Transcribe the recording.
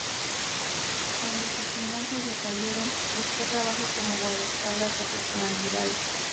Cuando sus finanzas decayeron, buscó trabajo como guardaespaldas de personalidades.